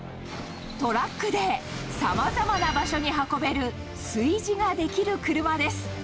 トラックでさまざまな場所に運べる、炊事ができる車です。